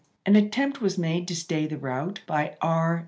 An at tempt was made to stay the rout by E.